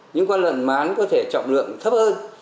những con lợn mán có thể trọng lượng thấp hơn